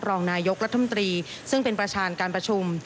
รองนายกรัฐมนตรีซึ่งเป็นประธานการประชุม